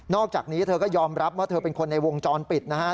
อกจากนี้เธอก็ยอมรับว่าเธอเป็นคนในวงจรปิดนะฮะ